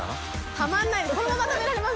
たまんないです